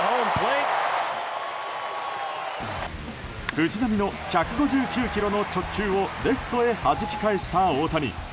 藤浪の１５９キロの直球をレフトへはじき返した大谷。